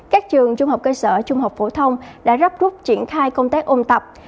các trường trung học cơ sở trung học phổ thông đã gấp rút triển khai công tác ôn tập